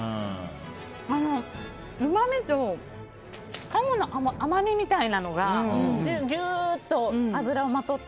うまみと鴨の甘みみたいなのがギューッと脂をまとって。